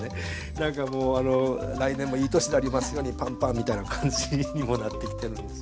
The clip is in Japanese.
何かもう来年もいい年でありますようにパンパンみたいな感じにもなってきてるんです。